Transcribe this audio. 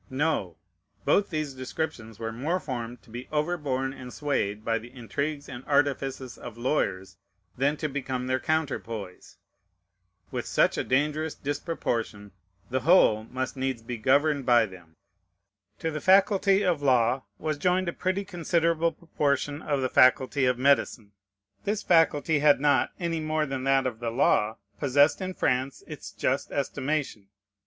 No! both these descriptions were more formed to be overborne and swayed by the intrigues and artifices of lawyers than to become their counterpoise. With such a dangerous disproportion, the whole must needs be governed by them. To the faculty of law was joined a pretty considerable proportion of the faculty of medicine. This faculty had not, any more than that of the law, possessed in France its just estimation.